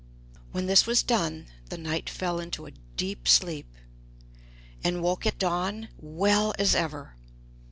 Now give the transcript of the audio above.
When this was done, the knight fell into a deep sleep, and woke at dawn well as ever.